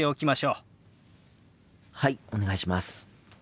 はいお願いします。